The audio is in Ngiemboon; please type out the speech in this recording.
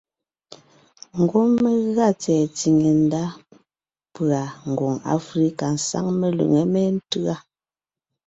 Ngwɔ́ mé gʉa tsɛ̀ɛ tsìŋe ndá pʉ̀a Ngwòŋ Aflíka sáŋ melʉŋé méntʉ́a: